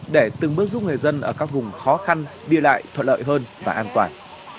để từng bước giúp người dân ở các vùng khó khăn đi lại thuận lợi hơn và an toàn